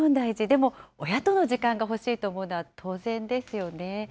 でも親との時間が欲しいと思うのは当然ですよね。